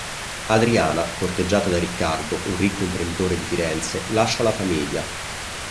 Adriana, corteggiata da Riccardo, un ricco imprenditore di Firenze, lascia la famiglia.